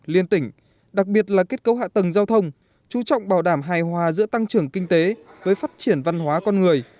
liên tỉnh đặc biệt là kết cấu hạ tầng giao thông chú trọng bảo đảm hài hòa giữa tăng trưởng kinh tế với phát triển văn hóa con người